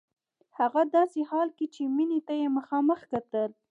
هغه داسې حال کې چې مينې ته يې مخامخ کتل.